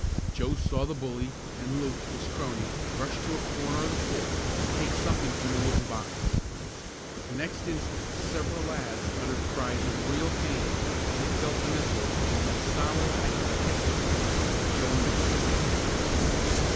Joe saw the bully, and Luke, his crony, rush to a corner of the fort and take something from a wooden box. The next instant several lads uttered cries of real pain, as they felt the missiles of almost solid ice hit them. Joe understood at once.